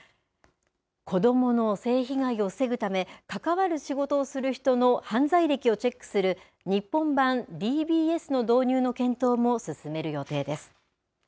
子どもの性被害を防ぐため、関わる仕事をする人の犯罪歴をチェックする、日本版ＤＢＳの導入の検討も進める予定です。